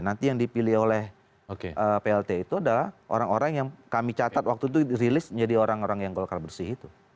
nanti yang dipilih oleh plt itu adalah orang orang yang kami catat waktu itu rilis menjadi orang orang yang golkar bersih itu